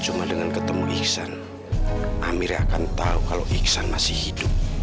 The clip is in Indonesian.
cuma dengan ketemu iksan amir akan tahu kalau iksan masih hidup